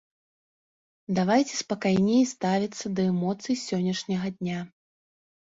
Давайце спакайней ставіцца да эмоцый сённяшняга дня.